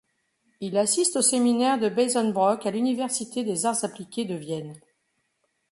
Il assiste au séminaire de Bazon Brock à l'université des arts appliqués de Vienne.